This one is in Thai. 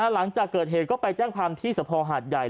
หลังจากเกิดเหตุก็ไปแจ้งความที่สภหาดใหญ่